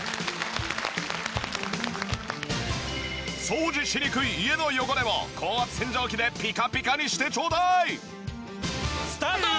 掃除しにくい家の汚れを高圧洗浄機でピカピカにしてちょうだい！スタート！